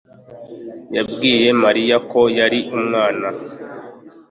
yabwiye mariya ko yari umwana